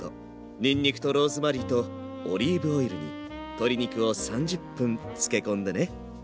にんにくとローズマリーとオリーブオイルに鶏肉を３０分つけこんでね。